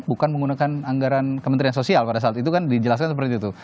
bukan menggunakan anggaran kementerian sosial pada saat itu kan dijelaskan seperti itu